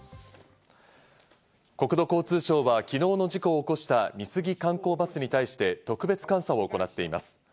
国土交通省は昨日の事故を起こした美杉観光バスに対して特別監査を行っています。